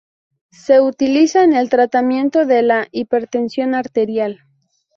Se utiliza en el tratamiento de la hipertensión arterial.